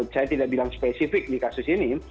saya tidak bilang spesifik di kasus ini